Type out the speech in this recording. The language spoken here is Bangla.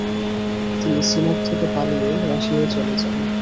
তিনি সিনপ থেকে পালিয়ে রাশিয়ায় চলে যান।